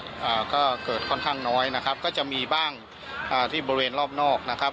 อ่าก็เกิดค่อนข้างน้อยนะครับก็จะมีบ้างอ่าที่บริเวณรอบนอกนะครับ